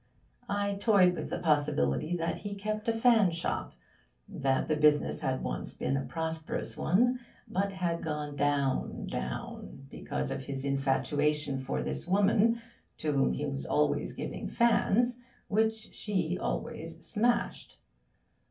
I toyed with the possibility that he kept a fan shop that the business had once been a prosperous one, but had gone down, down, because of his infatuation for this woman to whom he was always giving fans which she always smashed....